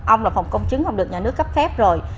ông là phòng công chứng không được nhà nước cấp phép rồi